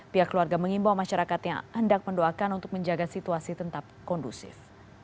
pihak keluarga mengimbau masyarakat yang hendak mendoakan untuk menjaga situasi tetap kondusif